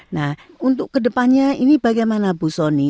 nah untuk kedepannya ini bagaimana bu sony